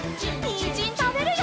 にんじんたべるよ！